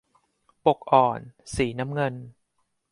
ปกอ่อน สีน้ำเงิน